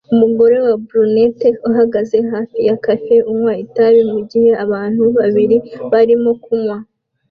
Umugore wa brunette uhagaze hafi ya cafe unywa itabi mugihe abantu babiri barimo kunywa